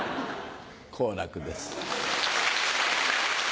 好楽です。